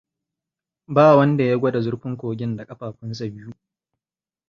Ba wanda ya gwada zurfin kogin da kafafunsa biyu.